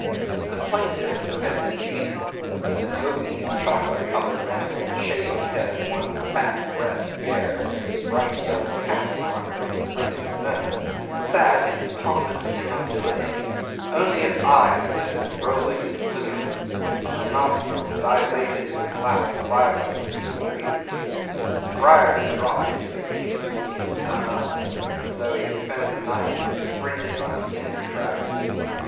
The plaintiff, who had been beaten, an obese chocolate coloured man with shaved head, one fat breast bare and a bright yellow caste mark above the bridge of his nose, sat in pompous immobility: only his eyes glittered, rolling in the gloom, and the nostrils dilated and collapsed violently as he breathed. Brierly dropped into his seat looking done up, as though he had spent the night in sprinting on a cinder track.